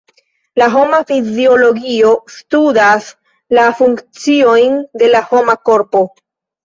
La homa fiziologio studas la funkciojn de la homa korpo.